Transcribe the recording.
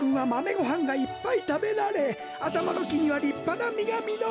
ごはんがいっぱいたべられあたまのきにはりっぱなみがみのる。